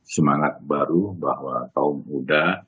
semangat baru bahwa kaum muda